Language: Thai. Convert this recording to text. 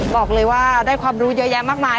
บอกเลยว่าได้ความรู้เยอะแยะมากมาย